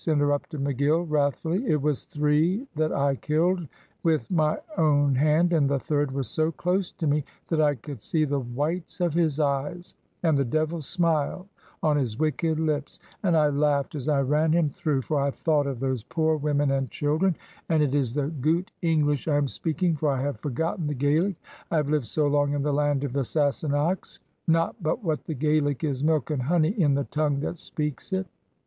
interrupted McGill, wrathfully, "it was three that I killed with my own hand, and the third was so close to me that I could see the whites of his eyes and the devil's smile on his wicked lips and I laughed as I ran him through, for I thought of those poor women and children and it is the goot English I am speaking, for I have forgotten the Gaelic, I have lived so long in the land of the Sassenachs not but what the Gaelic is milk and honey in the tongue that speaks it."